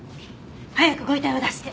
早くご遺体を出して！